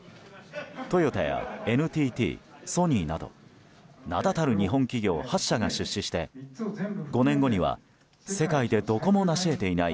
トヨタやＮＴＴ、ソニーなど名だたる日本企業８社が出資して５年後には世界でどこもなし得ていない